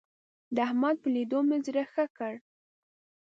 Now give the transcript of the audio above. د احمد په ليدو مې زړه ښه کړ.